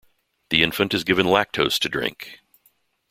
The infant is given lactose to drink.